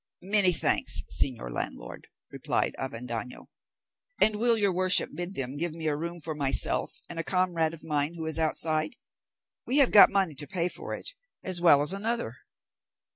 "Many thanks, señor landlord," replied Avendaño; "and will your worship bid them give me a room for myself, and a comrade of mine who is outside? We have got money to pay for it, as well as another."